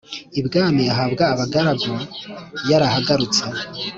ibwami ahabwa abagaru yarahagarutse